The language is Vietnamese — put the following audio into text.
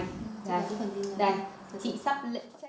đây chị sắp lấy